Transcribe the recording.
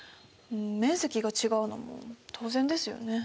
面積が違うのも当然ですよね。